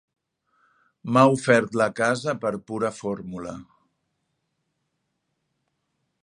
M'ha ofert la casa per pura fórmula.